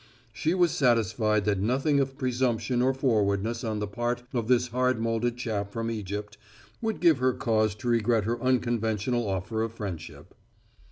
She was satisfied that nothing of presumption or forwardness on the part of this hard molded chap from Egypt would give her cause to regret her unconventional offer of friendship.